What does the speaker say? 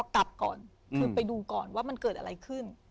กลับก่อนคือไปดูก่อนว่ามันเกิดอะไรขึ้น